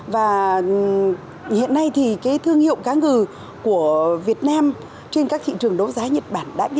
và hiện nay thì thương hiệu cá ngừ của việt nam trên các thị trường đấu giá nhật bản